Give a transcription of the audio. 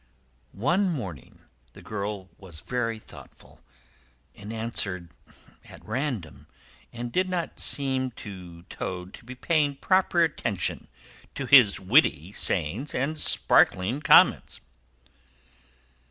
One morning the girl was very thoughtful, and answered at random, and did not seem to Toad to be paying proper attention to his witty sayings and sparkling comments.